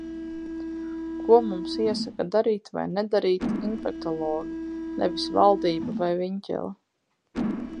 Ko mums iesaka darīt vai nedarīt infektologi. Nevis valdība vai Viņķele.